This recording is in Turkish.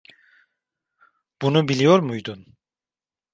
Bunu biliyor muydun?